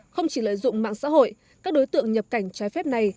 không chỉ lợi dụng mạng xã hội các đối tượng nhập cảnh trái phép này